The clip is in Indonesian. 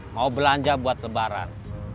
mau belanja buat lebaran